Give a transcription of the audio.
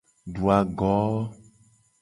Du ago.